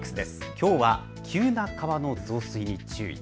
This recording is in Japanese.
きょうは急な川の増水に注意。